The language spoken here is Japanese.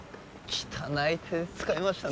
汚い手使いましたね